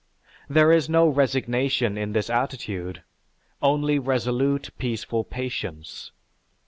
There is no resignation in this attitude; only resolute, peaceful patience.